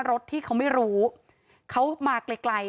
รถที่เขาไม่รู้เขามาไกลไกล